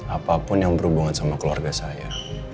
apapun yang berhubungan sama keluarga saya